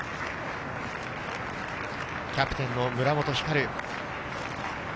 キャプテンの村本輝。